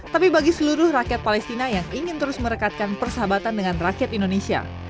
tapi bagi seluruh rakyat palestina yang ingin terus merekatkan persahabatan dengan rakyat indonesia